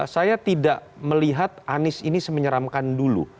saya tidak melihat anies ini semenyeramkan dulu